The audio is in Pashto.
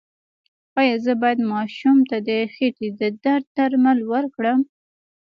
ایا زه باید ماشوم ته د خېټې د درد درمل ورکړم؟